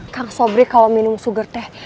kang sobri kalau minum sugar teh